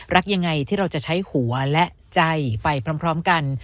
รักยังไงที่เราจะใช้หัวและใจไปพร้อมกัน